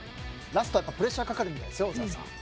ラストはプレッシャーかかるみたいですよ、小沢さん。